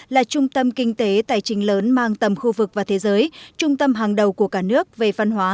là trung tâm kinh tế tài chính lớn mang tầm khu vực và thế giới trung tâm hàng đầu của cả nước về văn hóa